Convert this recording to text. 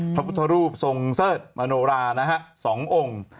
พระพุทธรูปทรงเสิร์ธมโนรานะฮะ๒องค์